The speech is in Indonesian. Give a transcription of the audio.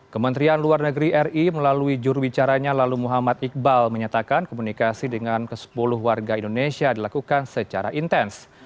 kementerian luar negeri ri melalui jurubicaranya lalu muhammad iqbal menyatakan komunikasi dengan ke sepuluh warga indonesia dilakukan secara intens